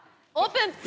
オープン！